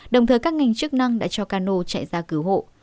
đồng thời các ngành chức năng đã cho cano chạy ra cứu hộ